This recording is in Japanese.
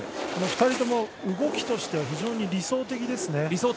２人とも動きとしては非常に理想的ですね。